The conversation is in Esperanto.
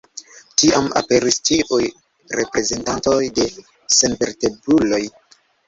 Tiam aperis ĉiuj reprezentantoj de senvertebruloj.